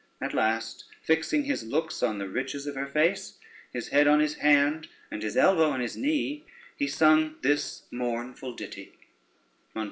At last, fixing his looks on the riches of her face, his head on his hand, and his elbow on his knee, he sung this mournful ditty: [Footnote 1: dismayed.